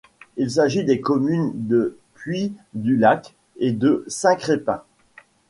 Il s'agit des communes de Puy-du-Lac et de Saint-Crépin.